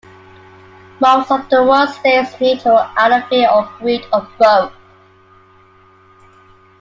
Most of the world stays neutral out of fear or greed or both.